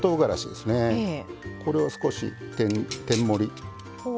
これを少し天盛り。